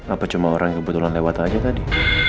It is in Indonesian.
apa cuma orang kebetulan lewat aja tadi